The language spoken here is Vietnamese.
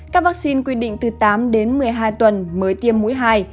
các vaccine quy định từ tám đến một mươi hai tuần mới tiêm mũi hai